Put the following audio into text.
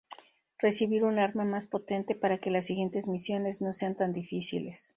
Recibir un arma más potente para que las siguientes misiones no sean tan difíciles.